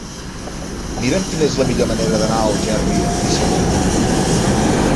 Mira'm quina és la millor manera d'anar a Algerri amb bicicleta.